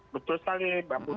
betul sekali bang